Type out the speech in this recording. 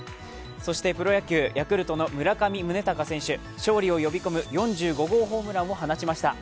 そしてプロ野球、ヤクルトの村上宗隆選手勝利を呼び込む４５号ホームランを放ちました。